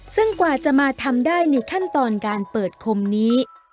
ซึ่งกว่าจะมาทำได้ในขั้นตอนการเปิดคมนี้